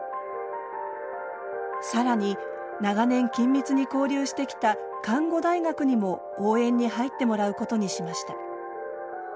更に長年緊密に交流してきた看護大学にも応援に入ってもらうことにしました。